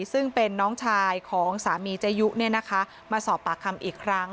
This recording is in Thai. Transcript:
ซึ่งเป็นน้องชายของสามีเจยุมาสอบปากคำอีกครั้ง